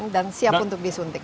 dan siap untuk disuntik